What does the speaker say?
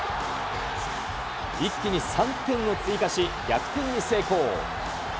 一気に３点を追加し、逆転に成功。